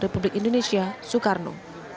republik indonesia soekarno